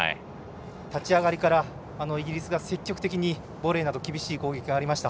立ち上がりからイギリスが積極的にボレーなど厳しい攻撃がありました。